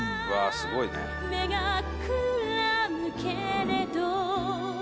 「目がくらむけれど」